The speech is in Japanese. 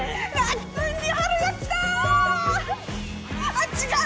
あっ違う！